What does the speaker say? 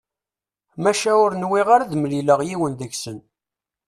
Maca ur nwiɣ ara ad d-mlileɣ yiwen deg-sen.